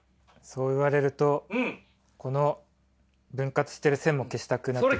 そう言われるとこの分割してる線も消したくなってきました。